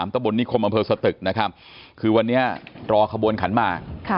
ตะบลนิคมอสตกครับคือวันนี้รอขบวนขันมาก